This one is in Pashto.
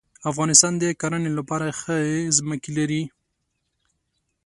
افغانستان د کرهڼې لپاره ښې ځمکې لري.